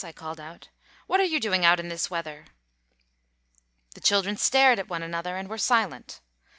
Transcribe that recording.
I called out, "what are you doing out in this weather?" The children stared at one another, and were silent.